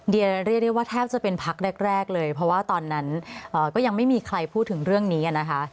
เดี๋ยวเรียกได้ว่าแทบจะเป็นพักแรกเลยเพราะว่าตอนนั้นก็ยังไม่มีใครพูดถึงเรื่องนี้นะคะ